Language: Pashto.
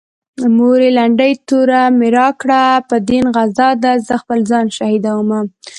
مورې لنډۍ توره مې راکړه په دين غزا ده زه خپل ځان شهيدومه